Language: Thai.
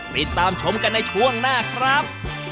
ติดตามชมกันในช่วงหน้าครับ